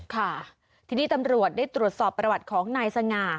ค่ะทีนี้ตำรวจได้ตรวจสอบประวัติของนายสง่า